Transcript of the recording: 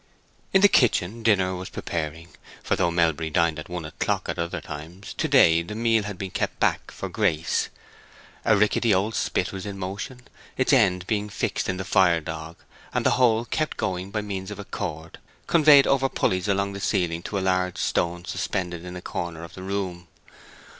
In the kitchen dinner was preparing; for though Melbury dined at one o'clock at other times, to day the meal had been kept back for Grace. A rickety old spit was in motion, its end being fixed in the fire dog, and the whole kept going by means of a cord conveyed over pulleys along the ceiling to a large stone suspended in a corner of the room.